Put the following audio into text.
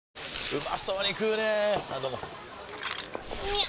うまそうに食うねぇあどうもみゃう！！